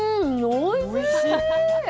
おいしい。